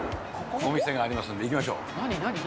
お店がありますので、行きましょ何々？